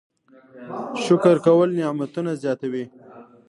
شکر کول نعمتونه زیاتوي